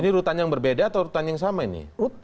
ini rutan yang berbeda atau rutan yang sama ini